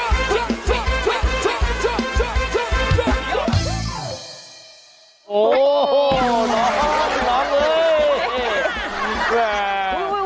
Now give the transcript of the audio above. โอ้โหน้องน้องเลย